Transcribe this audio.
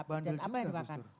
tapi jangan apa yang dimakan